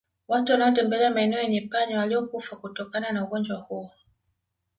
Watu wanaotembelea maeneo yenye panya waliokufa kutokana na ugonjwa huu